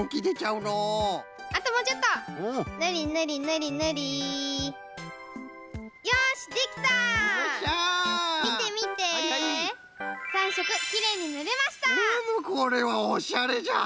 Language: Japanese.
うむこれはおしゃれじゃ！